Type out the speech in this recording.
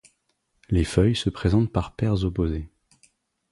Les feuilles se présentent par paires opposées.